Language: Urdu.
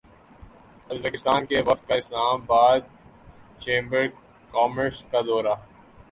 ازبکستان کے وفد کا اسلام باد چیمبر کامرس کا دورہ